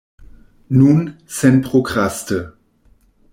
Nun, senprokraste.